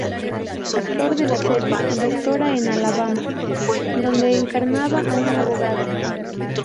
Actor de la serie "Doctora en Alabama" donde encarnaba a un abogado.